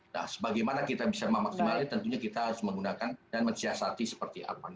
nah sebagaimana kita bisa memaksimalin tentunya kita harus menggunakan dan mensiasati seperti apa